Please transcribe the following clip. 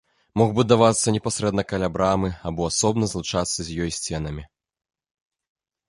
Мог будавацца непасрэдна каля брамы, або асобна і злучацца з ёй сценамі.